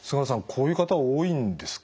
こういう方多いんですか？